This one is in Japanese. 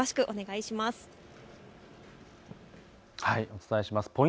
お伝えします。